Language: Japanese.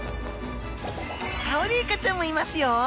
アオリイカちゃんもいますよ！